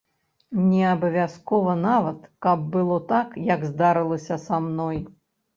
Не абавязкова нават, каб было так, як здарылася са мной.